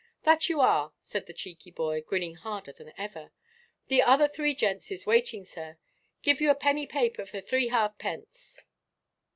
"That you are," said the cheeky boy, grinning harder than ever; "the other three gents is waiting, sir. Get you a penny paper for three half–pence."